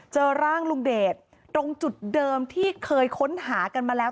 เจอร่างลุงเดชตรงจุดเดิมที่เคยค้นหากันมาแล้ว